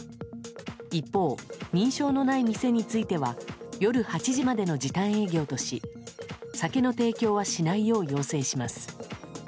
一方、認証のない店については夜８時までの時短営業とし酒の提供はしないよう要請します。